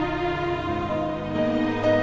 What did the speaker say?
aku mau makan